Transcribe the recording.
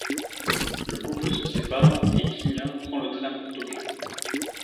Le couple se sépare et Kinya prend le train pour Tokyo.